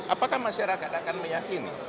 apakah masyarakat akan meyakini